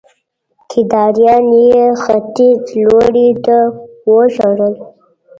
کيداريان يې ختيځ لوري ته وشړل